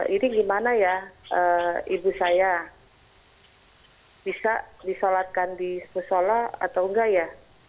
ini gimana ya ibu saya bisa disolatkan di musola atau enggak ya